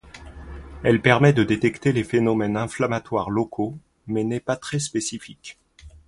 Elle permet de détecter les phénomènes inflammatoires locaux mais n'est pas très spécifique.